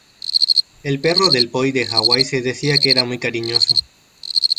El perro del Poi de Hawai se decía que era muy cariñoso.